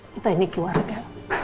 kita ini keluarga